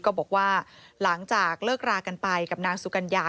ก็บอกว่าหลังจากเลิกรากันไปกับนางสุกัญญา